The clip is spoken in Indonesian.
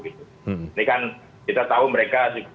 ini kan kita tahu mereka